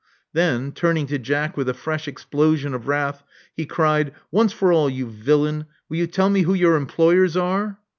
Then, turning to Jack with a fresh explosion of wrath, he cried, Once for all, you villain, will you tell me who your employers are?